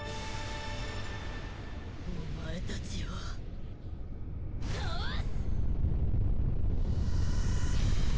お前たちを倒す！